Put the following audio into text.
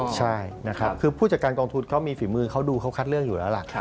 ใช่นะครับคือผู้จัดการกองทุนเขามีฝีมือเขาดูเขาคัดเลือกอยู่แล้วล่ะ